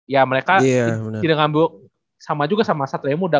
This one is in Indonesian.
ya mereka tidak ngambil sama juga sama satria muda